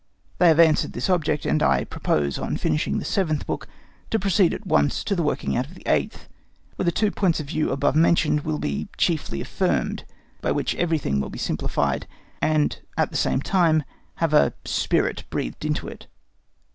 They have answered this object, and I propose, on finishing the seventh book, to proceed at once to the working out of the eighth, where the two points of view above mentioned will be chiefly affirmed, by which everything will be simplified, and at the same time have a spirit breathed into it.